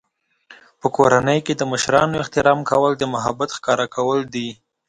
په کورنۍ کې د مشرانو احترام کول د محبت ښکاره کول دي.